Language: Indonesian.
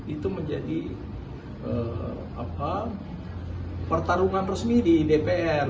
itu menjadi pertarungan resmi di dpr